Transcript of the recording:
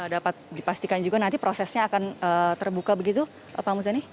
dapat dipastikan juga nanti prosesnya akan terbuka begitu pak muzani